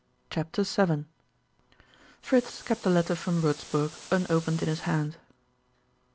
CHAPTER VII Fritz kept the letter from Wurzburg unopened in his hand.